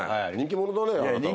人気者だね